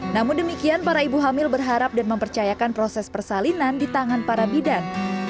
namun demikian para ibu hamil berharap dan mempercayakan proses persalinan di tangan para bidan